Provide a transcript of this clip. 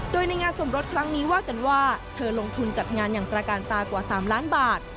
โดยในงานสมรสครั้งนี้ว่ากันว่าเธอลงทุนจัดงานอย่างตระการตากว่า๓ล้านบาท